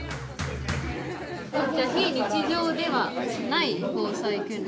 非日常ではない防災訓練。